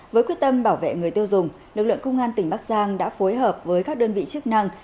với quyết tâm bảo vệ người tiêu dùng lực lượng công an tỉnh bắc giang đã phối hợp với các đơn vị chức năng